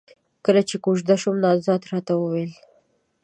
کله چې کوژده شوم، نامزد راته وويل: